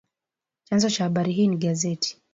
Chanzo cha habari hii ni gazeti